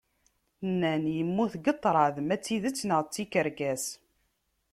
Nnan yemmut deg ṭṭrad, ma d tidett neɣ d tikerkas